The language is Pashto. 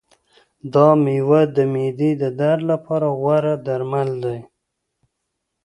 دا مېوه د معدې د درد لپاره غوره درمل دی.